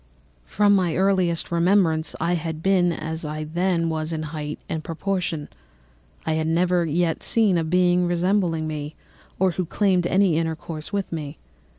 From my earliest remembrance I had been as I then was in height and proportion. I had never yet seen a being resembling me or who claimed any intercourse with me.